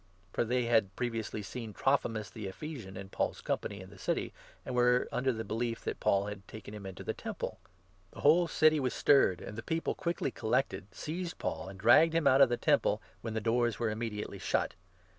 (For they had previously seen Trophimus the Ephesian in Paul's 29 company in the city, and were under the belief that Paul had taken him into the Temple.) The whole city was stirred, 30 and the people quickly collected, seized Paul, and dragged him out of the Temple, when the doors were immediately shut.